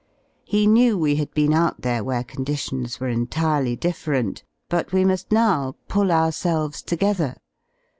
He knew we had been out there where conditions were entirely differ enty but we muSl now pull ourselves together.